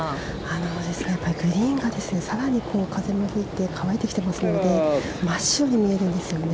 グリーンがさらに風も吹いて乾いてきていますので真っ白に見えるんです。